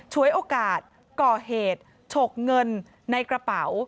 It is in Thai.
โอกาสก่อเหตุฉกเงินในกระเป๋า